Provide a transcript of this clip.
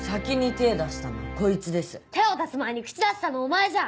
手を出す前に口出したのお前じゃん！